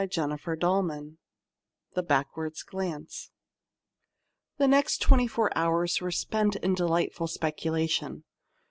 CHAPTER IV THE BACKWARD GLANCE The next twenty four hours were spent in delightful speculation.